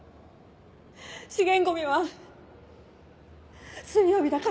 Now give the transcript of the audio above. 資源ゴミは水曜日だから。